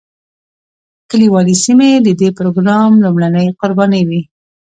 کلیوالي سیمې د دې پروګرام لومړنۍ قربانۍ وې.